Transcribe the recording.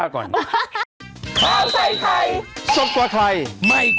ต้องมีสิ่งงี้